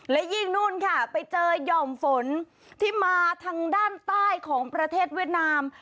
และยิ่งนู่นค่ะไปเจอหย่อมฝนที่มาทางด้านใต้ของประเทศเวียดนาม